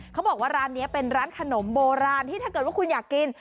เขาบอกว่าร้านนี้เป็นร้านขนมโบราณที่ถ้าเกิดว่าคุณอยากกิน